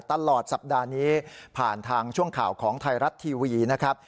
ตลอดสัปดาห์นี้ผ่านทางช่วงข่าวของไทยรัฐทีวีนะครับ